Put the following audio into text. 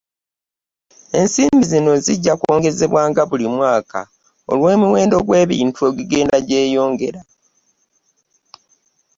Ensimbi zino zijja kwongezebwanga buli mwaka olw’emiwendo gy’ebintu egigenda gyeyongera.